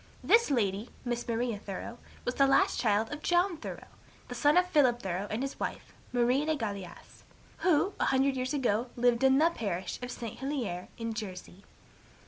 This lady, Miss Maria Thoreau, was the last child of John Thoreau, the son of Philip Thoreau and his wife, Marie le Galais, who, a hundred years ago, lived in the parish of St. Helier, in Jersey.